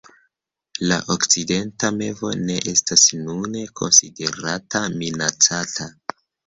La Okcidenta mevo ne estas nune konsiderata minacata.